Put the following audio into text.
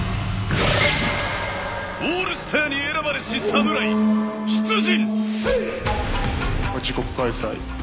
オールスターに選ばれし侍出陣！